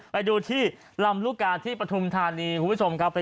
ไปดูที่ลำลูกกาที่ปฐมธานี